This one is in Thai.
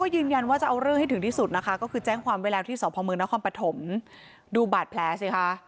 ยืนยันว่าจะเอาเรื่องให้ถึงที่สุดนะคะก็คือแจ้งความไว้แล้วที่สพมนครปฐมดูบาดแผลสิคะ